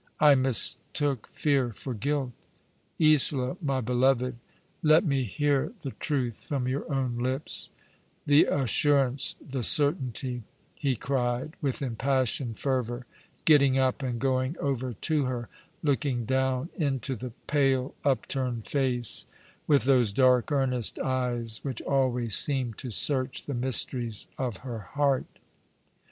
I mistook fear for guilt. Isola, my beloved, let me hear the truth from your own lips — the assurance— the certainty," he cried with impassioned fervour, getting up and going over to her, looking down into the pale, upturned face with those dark, earnest eyes which always seemed to search the mysteries of her heart.